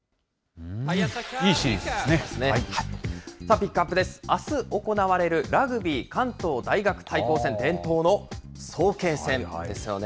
ピックアップです、あす行われるラグビー関東大学対抗戦、伝統の早慶戦ですよね。